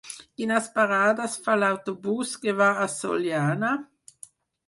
Quines parades fa l'autobús que va a Sollana?